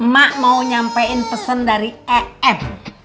mak mau nyampein pesan dari em